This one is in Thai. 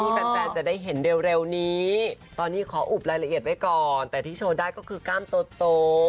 แฟนแฟนจะได้เห็นเร็วนี้ตอนนี้ขออุบรายละเอียดไว้ก่อนแต่ที่โชว์ได้ก็คือกล้ามโต